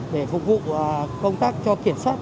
để phục vụ công tác cho kiểm soát